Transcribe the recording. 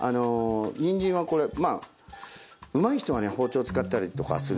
にんじんはこれまあうまい人はね包丁使ったりとかするんですけど